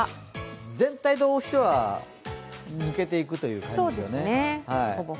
全体としては抜けていくという感じですね。